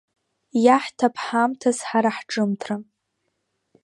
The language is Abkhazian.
Иаҳҭап ҳамҭас ҳара ҳҿымҭра…